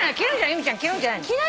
由美ちゃん着るんじゃないの。